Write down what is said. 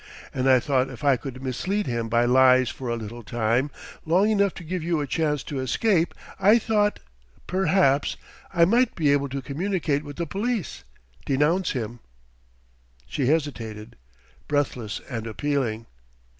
And I thought if I could mislead him by lies for a little time long enough to give you a chance to escape I thought perhaps I might be able to communicate with the police, s denounce him " She hesitated, breathless and appealing.